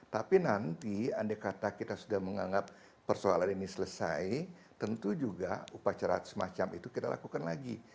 tapi nanti andai kata kita sudah menganggap persoalan ini selesai tentu juga upacara semacam itu kita lakukan lagi